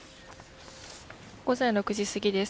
午前６時すぎです。